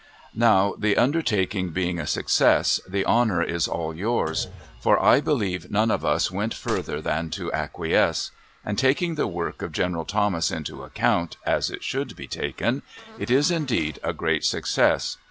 Now, the undertaking being a success, the honor is all yours; for I believe none of us went further than to acquiesce; and, taking the work of General Thomas into account, as it should be taken, it is indeed a great success.